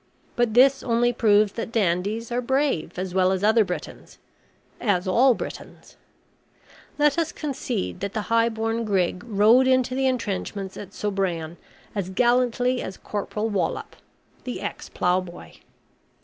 But this only proves that dandies are brave as well as other Britons as all Britons. Let us concede that the high born Grig rode into the entrenchments at Sobraon as gallantly as Corporal Wallop, the ex ploughboy.